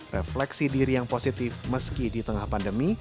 refleksi diri yang positif meski di tengah pandemi